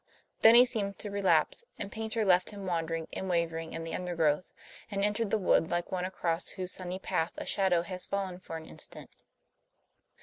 Then he seemed to relapse; and Paynter left him wandering and wavering in the undergrowth; and entered the wood like one across whose sunny path a shadow has fallen for an instant.